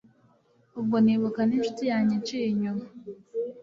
ubwo nibuka n'inshuti yanjye inciye inyuma